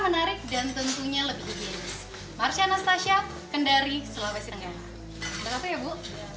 menarik dan tentunya lebih jenis marsya anastasia kendari selawesi tengah berapa ya bu